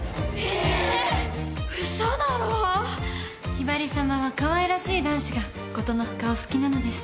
ひばりさまはかわいらしい男子がことのほかお好きなのです。